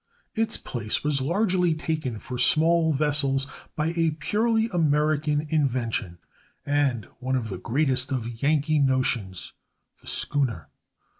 Its place was largely taken for small vessels by a purely American invention, and one of the greatest of Yankee notions—the schooner.